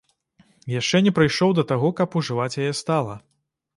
Яшчэ не прыйшоў да таго, каб ужываць яе стала.